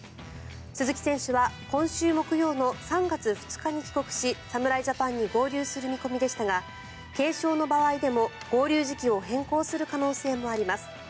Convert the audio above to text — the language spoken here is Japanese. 鈴木選手は今週木曜の３月２日に帰国し侍ジャパンに合流する見込みでしたが軽症の場合でも合流時期を変更する可能性もあります。